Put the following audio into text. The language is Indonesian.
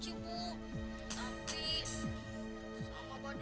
jangan dia jangan dia